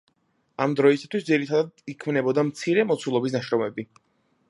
ამ დროისათვის ძირითადად იქმნებოდა მცირე მოცულობის ნაშრომები.